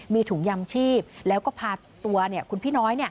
มีถุงยำชีพแล้วก็พาตัวคุณพี่น้อย